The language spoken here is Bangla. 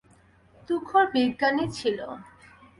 তুখোড় বিজ্ঞানী ছিল।